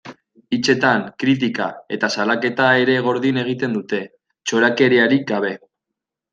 Hitzetan, kritika eta salaketa ere gordin egiten dute, txorakeriarik gabe.